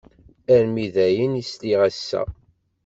Armi d ayen, i sliɣ ass-a.